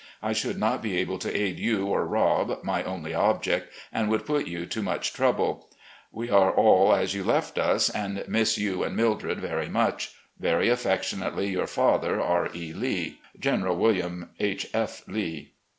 I should not be able to aid you or Rob, my only object, and would put you to much trouble. ... We are all as you left us, and miss you and Mildred very much. "Very affectionately, your father, "R. E. Lee. "General William H. F. Lee."